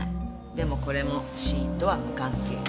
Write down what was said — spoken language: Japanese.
でもこれも死因とは無関係。